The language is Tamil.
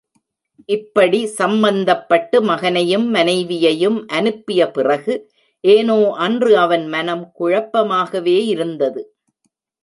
இப்படி சம்மதப்பட்டு மகனையும், மனைவியையும் அனுப்பிய பிறகு, ஏனோ அன்று அவன் மனம் குழப்பமாகவே இருந்தது.